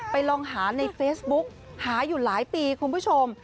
ลองหาในเฟซบุ๊กหาอยู่หลายปีคุณผู้ชม